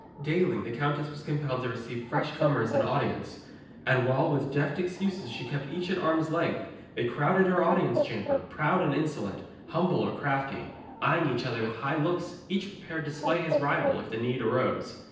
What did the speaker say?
Daily the countess was compelled to receive fresh comers in audience, and while with deft excuses she kept each at arm's length, they crowded her audience chamber, proud and insolent, humble or crafty, eyeing each other with high looks, each prepared to slay his rival if the need arose.